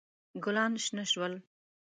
ګلان شنه شول.